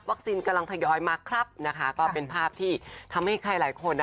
วัคซีนกำลังทยอยมากเป็นภาพที่ทำให้ใครหลายคน